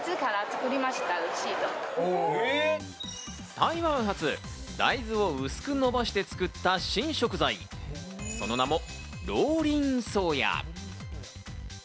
台湾発、大豆を薄くのばして作った新食材、その名もローリンソーヤ。